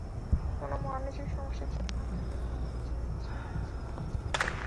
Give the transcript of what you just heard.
কোনো মানসিক সমস্যা যখন হয় তখন তার পিছনে কিছু-না-কিছু কারণ থাকে।